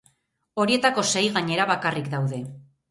Horietako sei, gainera, bakarrik daude.